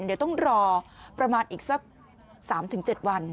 เดี๋ยวต้องรอประมาณอีกสัก๓๗วัน